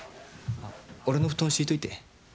俺の布団も敷いといて。